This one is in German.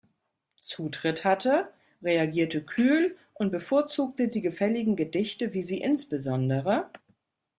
Zutritt hatte, reagierte kühl und bevorzugte die gefälligen Gedichte, wie sie insbes.